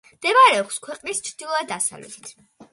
მდებარეობს ქვეყნის ჩრდილო-დასავლეთით.